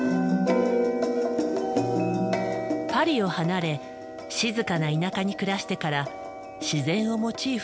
パリを離れ静かな田舎に暮らしてから自然をモチーフに描くことが増えた。